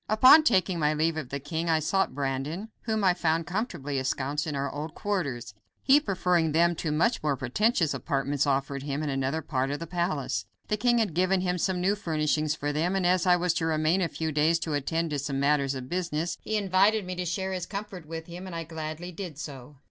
Upon taking my leave of the king I sought Brandon, whom I found comfortably ensconced in our old quarters, he preferring them to much more pretentious apartments offered him in another part of the palace. The king had given him some new furnishings for them, and as I was to remain a few days to attend to some matters of business, he invited me to share his comfort with him, and I gladly did so.